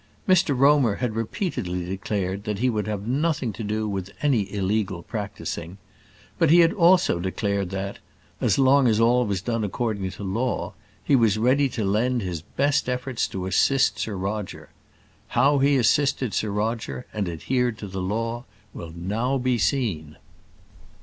Mr Romer had repeatedly declared that he would have nothing to do with any illegal practising; but he had also declared that, as long as all was done according to law, he was ready to lend his best efforts to assist Sir Roger. How he assisted Sir Roger, and adhered to the law, will now be seen.